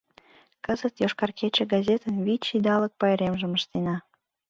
Кызыт «Йошкар кече» газетын вич идалык пайремжым ыштена.